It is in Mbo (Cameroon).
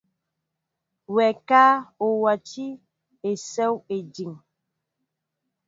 Wɛ ka, o wátī esew étíŋ ?